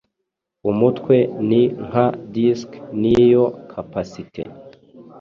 Umutwe ni nka disc niyo kapasite